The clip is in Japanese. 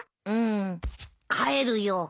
うん帰るよ。